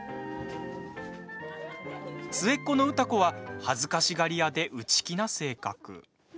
末っ子の歌子は恥ずかしがり屋で内気な性格。